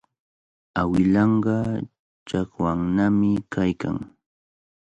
Awilanqa chakwannami kaykan.